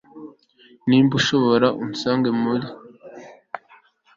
nimba ushoboye unsange muri